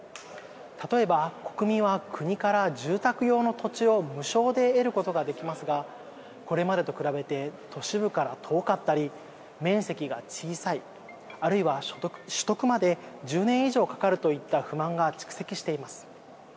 例えば、国民は国から住宅用の土地を無償で得ることができますがこれまでと比べて都市部から遠かったり面積が小さいあるいは取得まで１０年以上かかるといった不満が蓄積しています。